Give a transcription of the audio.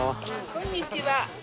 こんにちは。